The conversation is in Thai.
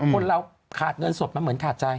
คนเราขาดเงินสดมันเหมือนขาดใจ